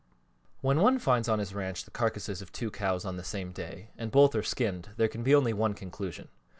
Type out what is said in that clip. WHEN one finds on his ranch the carcasses of two cows on the same day, and both are skinned, there can be only one conclusion.